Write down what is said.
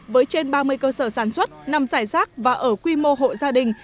với trên ba mươi cơ sở sản xuất nằm giải rác và ở quy mô hộ gia đình